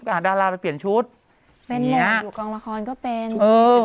อ่าดาราไปเปลี่ยนชุดอยู่กลางละครก็เป็นเออ